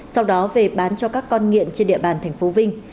sau đó về bán cho các con nghiện trên địa bàn tp vinh